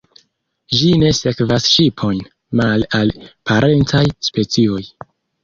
Ĝi ne sekvas ŝipojn, male al parencaj specioj.